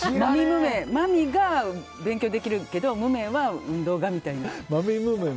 マミが勉強できるけどムメは運動がみたいな。